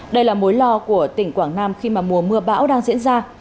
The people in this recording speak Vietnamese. đây là mối lo của tỉnh quảng nam khi mà mùa mưa bão đang diễn ra